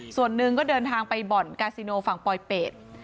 ส่วนหนึ่งก็เดินทางไปบ่อนกาซิโนฝั่งปลอยเป็ด